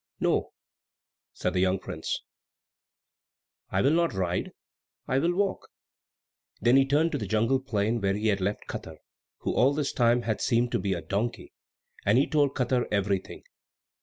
"No," said the young prince, "I will not ride, I will walk." Then he went to the jungle plain where he had left Katar, who all this time had seemed to be a donkey, and he told Katar everything.